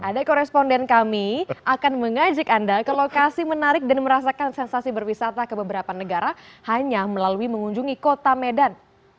ada koresponden kami akan mengajak anda ke lokasi menarik dan merasakan sensasi berwisata ke beberapa negara hanya melalui mengunjungi kota medan